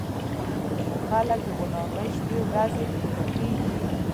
زموږ خلک د غلامۍ شپې ورځي تېروي